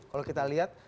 kalau kita lihat